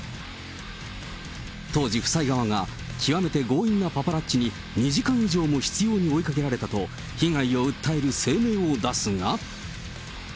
当時、夫妻側が、極めて強引なパパラッチに２時間以上も執ように追いかけられたと被害を訴える声明を出すが。